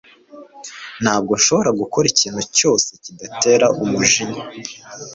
ntabwo nshobora gukora ikintu cyose kidatera umujinya